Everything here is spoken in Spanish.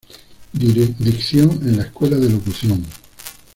Dicción en la Escuela de Locución.